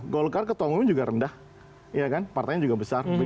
golkar ketua umum juga rendah partainya juga besar